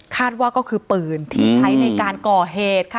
ว่าก็คือปืนที่ใช้ในการก่อเหตุค่ะ